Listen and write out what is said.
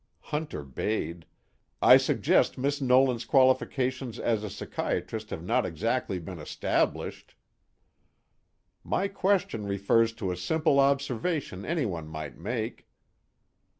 Hunter bayed: "I suggest Miss Nolan's qualifications as a psychiatrist have not exactly been established." "My question refers to a simple observation anyone might make."